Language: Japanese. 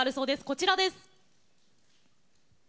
こちらです。